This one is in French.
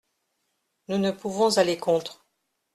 Nous ne pouvons aller contre.